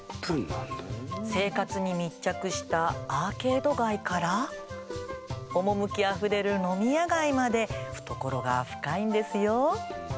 生活に密着したアーケード街から趣あふれる飲み屋街まで懐が深いんですよ。